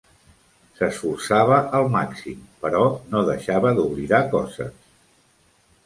S'esforçava al màxim, però no deixava d'oblidar coses.